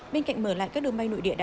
bên cạnh mở lại các đường bay nội địa đã